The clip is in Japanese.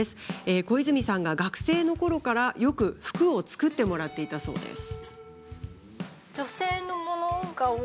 小泉さんが学生のころからよく服を作ってもらっていたそうです。